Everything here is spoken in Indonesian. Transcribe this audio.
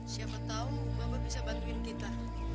siapa tahu bapak bisa bantuin kita